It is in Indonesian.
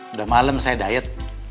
udah malem saya diet